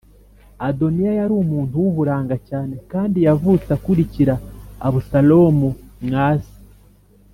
Adoniya yari umuntu w’uburanga cyane, kandi yavutse akurikira Abusalomu mwa se.